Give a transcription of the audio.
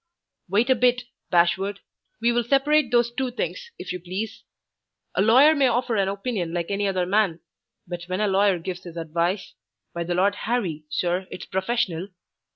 "Wait a bit, Bashwood. We will separate those two things, if you please. A lawyer may offer an opinion like any other man; but when a lawyer gives his advice by the Lord Harry, sir, it's Professional!